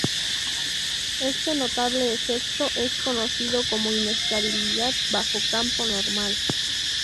Este notable efecto es conocido como inestabilidad bajo campo normal.